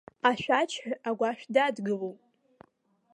Ашәаџьҳәаҩ агәашә дадгылоуп!